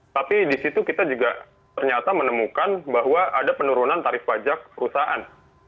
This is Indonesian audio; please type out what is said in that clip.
tapi di situ kita juga ternyata menemukan bahwa ada penurunan tarif pajak perusahaan